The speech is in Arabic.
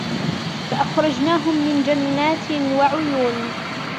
فأخرجناهم من جنات وعيون